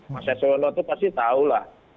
mas yasono itu pasti tahulah